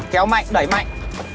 kéo mạnh đẩy mạnh